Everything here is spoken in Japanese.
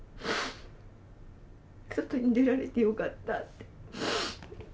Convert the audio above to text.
外に出られてよかったって。